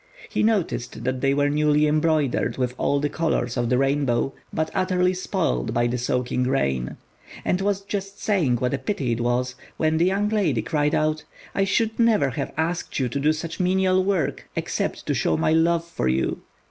He noticed that they were newly embroidered with all the colours of the rainbow, but utterly spoilt by the soaking rain; and was just saying what a pity it was, when the young lady cried out, "I should never have asked you to do such menial work except to show my love for you."